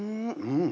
うん。